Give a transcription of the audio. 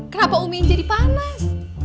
kenapa umi jadi panas